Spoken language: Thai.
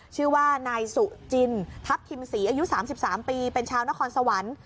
ชื่อว่านายสุจินทัพทิมศรีอายุ๓๓ปีเป็นชาวนครสวรรค์